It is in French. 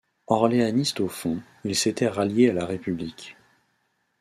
Orléaniste au fond, il s'était rallié à la République.